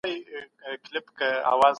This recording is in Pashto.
د دولت غوښتنه بايد پر ځای سي.